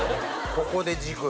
ここで軸。